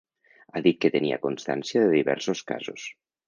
Ha dit que tenia constància de diversos casos.